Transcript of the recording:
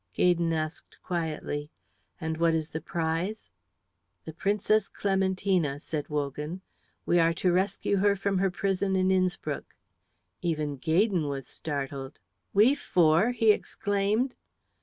Gaydon asked quietly, "And what is the prize?" "The Princess Clementina," said Wogan. "We are to rescue her from her prison in Innspruck." Even Gaydon was startled. "We four!" he exclaimed.